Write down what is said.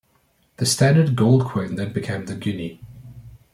The standard gold coin then became the Guinea.